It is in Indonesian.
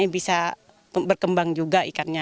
bisa berkembang juga ikannya